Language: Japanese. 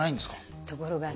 ところがね。